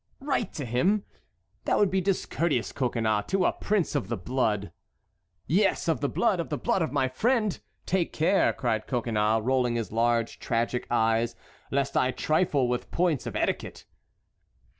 "Write to him! That would be discourteous, Coconnas, to a prince of the blood." "Yes, of the blood! of the blood of my friend. Take care," cried Coconnas, rolling his large, tragic eyes, "lest I trifle with points of etiquette!"